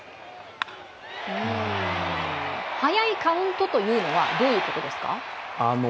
はやいカウントというのはどういうことですか？